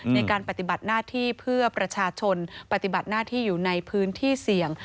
ในการปฏิบัติหน้าที่เพื่อประชาชนปฏิบัติหน้าที่อยู่ในพื้นที่เสี่ยง